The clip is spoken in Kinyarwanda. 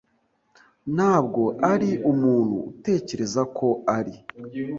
Ntabwo ari umuntu utekereza ko ari.